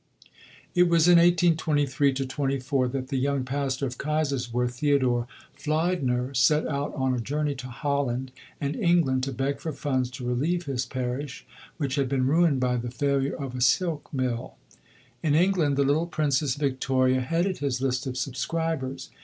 It was in 1823 24 that the young pastor of Kaiserswerth, Theodor Fliedner, set out on a journey to Holland and England to beg for funds to relieve his parish, which had been ruined by the failure of a silk mill. In England, the little Princess Victoria headed his list of subscribers.